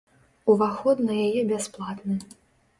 Уваход на яе бясплатны.